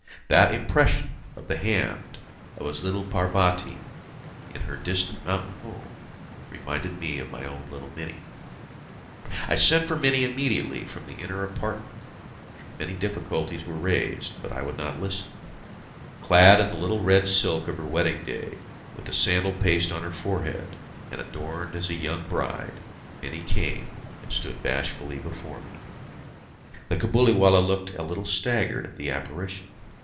That impression of the hand of his little Parbati in her distant mountain home reminded me of my own little Mini. I sent for Mini immediately from the inner apartment. Many difficulties were raised, but I would not listen. Clad in the red silk of her wedding day, with the sandal paste on her forehead, and adorned as a young bride, Mini came, and stood bashfully before me. The Cabuliwallah looked a little staggered at the apparition.